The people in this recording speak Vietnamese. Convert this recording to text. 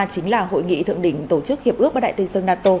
chính là hội nghị thượng đỉnh tổ chức hiệp ước bà đại tây sơn nato